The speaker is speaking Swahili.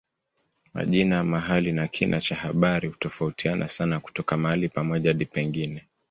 Majina ya mahali na kina cha habari hutofautiana sana kutoka mahali pamoja hadi pengine.